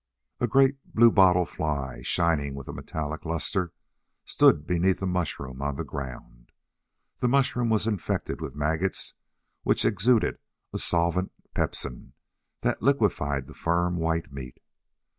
A great bluebottle fly, shining with a metallic lustre, stood beneath a mushroom on the ground. The mushroom was infected with maggots which exuded a solvent pepsin that liquefied the firm white meat.